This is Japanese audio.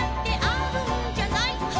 「あるんじゃない」